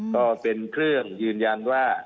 ก็เป็นเครื่องยืนยันว่า